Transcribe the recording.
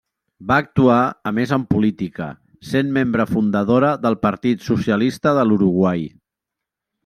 Va actuar a més en política, sent membre fundadora del Partit Socialista de l'Uruguai.